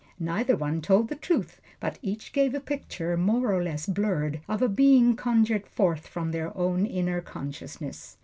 Neither one told the truth; but each gave a picture, more or less blurred, of a being conjured forth from their own inner consciousness.